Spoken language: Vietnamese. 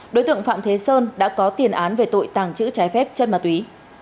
đối tượng phạm thế sơn đã có tiền án về tội tàng trữ trái phép chất ma túy